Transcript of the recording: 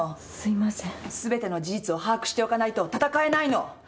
すべての事実を把握しておかないと闘えないの！